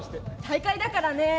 大会だからね。